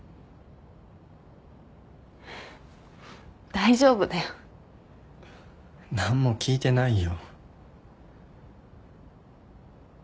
大丈夫だよ。何も聞いてないよ。